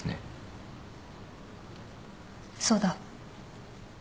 そうだ。